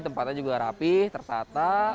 tempatnya juga rapi tersata